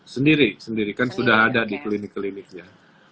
sendiri sendiri kan sudah ada di klinik kliniknya